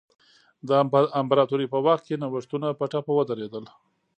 د امپراتورۍ په وخت کې نوښتونه په ټپه ودرېدل.